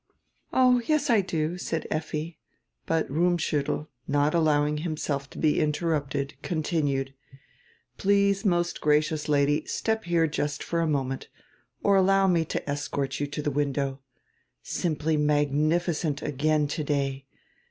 "Oh, yes I do," said Effi; but Rummschiittel, not allow ing himself to be interrupted, continued: "Please, most gracious Lady, step here just for a moment, or allow me to escort you to die window. Simply magnificent again today!